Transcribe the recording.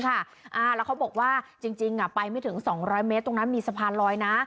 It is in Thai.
แล้วเขาบอกว่าจริงไปไม่ถึง๒๐๐เมตรตรงนั้นมีสะพานลอยนะ